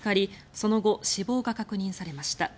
その後、死亡が確認されました。